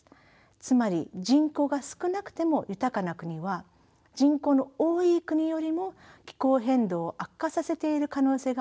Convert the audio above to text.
つまり人口が少なくても豊かな国は人口の多い国よりも気候変動を悪化させている可能性があるのです。